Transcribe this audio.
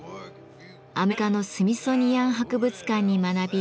アメリカのスミソニアン博物館に学び